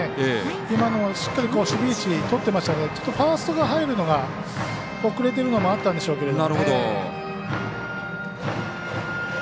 今のはしっかり守備位置とってましたのでファーストが入るのが遅れているのもあったんでしょうけどね。